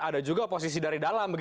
ada juga oposisi dari dalam